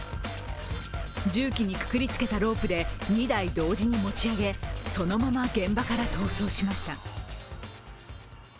重機にくくりつけたロープで２台同時に持ち上げそのまま現場から逃走しました。